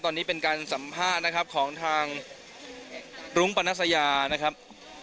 ตอนนี้เป็นการสัมภาษณ์นะครับของทางรุ้งปนัสยานะครับ